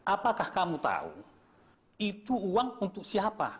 apakah kamu tahu itu uang untuk siapa